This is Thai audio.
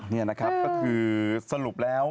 นี่นะครับสรุปแล้ว